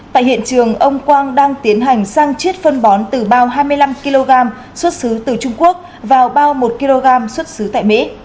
tại hiện trường ông quang đang tiến hành sang chiết phân bón từ bao hai mươi năm kg xuất xứ từ trung quốc vào bao một kg xuất xứ tại mỹ